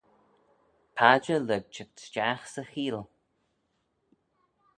Padjer lurg çheet stiagh 'sy cheeill.